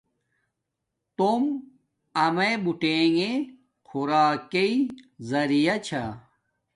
توم امیے بوٹیݣے خوراکݵ زریعہ چھا